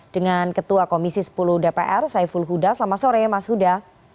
dengan ketua komisi sepuluh dpr saiful huda selamat sore mas huda